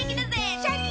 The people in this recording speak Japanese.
シャキン！